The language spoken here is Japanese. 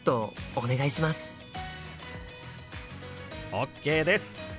ＯＫです！